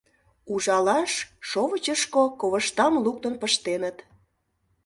Ужалаш шовычышко ковыштам луктын пыштеныт.